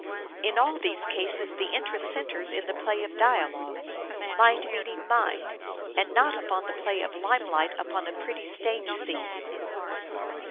In all these cases the interest centres in the play of dialogue : mind meeting mind ; and not upon the play of lime light upon a pretty stage scene.